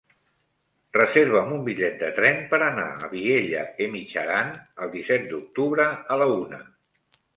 Reserva'm un bitllet de tren per anar a Vielha e Mijaran el disset d'octubre a la una.